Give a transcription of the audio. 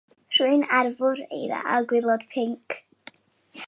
rhywun ar fwrdd eira â gwaelod pinc